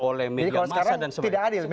oleh media massa dan sebagainya